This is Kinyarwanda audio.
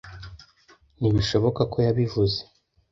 Ntibishoboka ko yabivuze.